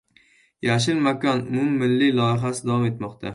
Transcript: "Yashil makon" umummilliy loyihasi davom etmoqda